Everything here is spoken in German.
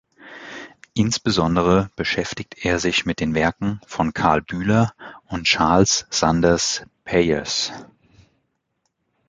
Insbesondere beschäftigt er sich mit den Werken von Karl Bühler und Charles Sanders Peirce.